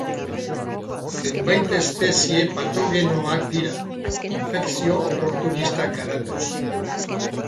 Zenbait espezie patogenoak dira, infekzio oportunistak garatuz.